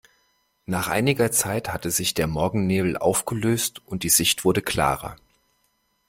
Nach einiger Zeit hatte sich der Morgennebel aufgelöst und die Sicht wurde klarer.